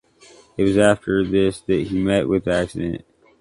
It was after this that he met with the accident.